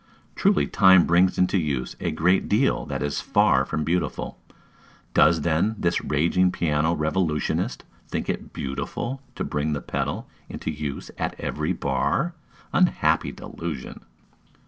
Truly time brings into use a great deal that is far from beautiful: does, then, this raging piano revolutionist think it beautiful to bring the pedal into use at every bar? Unhappy delusion.